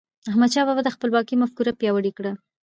احمدشاه بابا د خپلواکی مفکوره پیاوړې کړه.